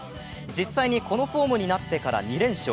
実際にこのフォームになってから２連勝。